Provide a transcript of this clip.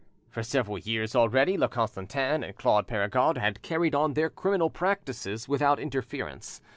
For several years already La Constantin and Claude Perregaud had carried on their criminal practices without interference.